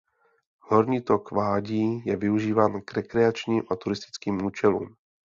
Horní tok vádí je využíván k rekreačním a turistickým účelům.